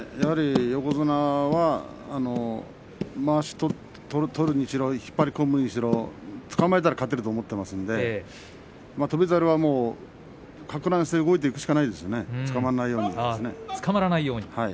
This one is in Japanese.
横綱がまわしを取るにしろ引っ張り込むにしろつかまえたら勝てると思っていますから翔猿はかく乱して動いていくしかないですねつかまらないように。